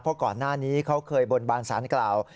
เพราะก่อนหน้านี้เขาเคยบนบานสารกล่าว